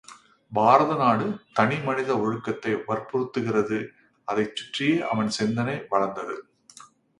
பாரத நாடு தனி மனித ஒழுக்கத்தை வற்புறுத்துகிறது அதைச் சுற்றியே அவன் சிந்தனை வளர்ந்தது.